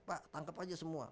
pak tangkep aja semua